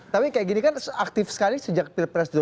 tapi kayak gini kan aktif sekali sejak pilpres dua ribu sembilan